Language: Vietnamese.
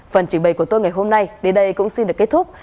phần trình bày của tôi ngày hôm nay đến đây cũng xin được kết thúc